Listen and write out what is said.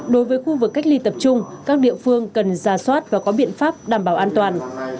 đối với khu vực cách ly tập trung các địa phương cần ra soát và có biện pháp đảm bảo an toàn